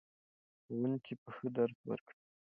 ښوونکي به ښه درس ورکړي.